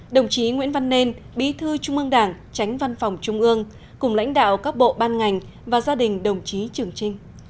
đồng chí nguyễn văn nên bí thư trung ương đảng tránh văn phòng trung ương cùng lãnh đạo các bộ ban ngành và gia đình đồng chí trường trinh